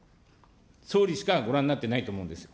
総理しかご覧になってないと思うんです。